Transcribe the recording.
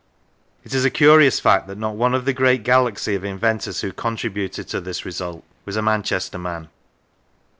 It is a curious fact that not one of the great galaxy of in ventors who contributed to this result was a Manchester man.